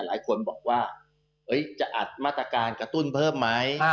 หลายคนบอกว่าจะอัดมาตรการกระตุ้นเพิ่มไหม